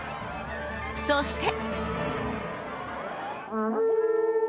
そして。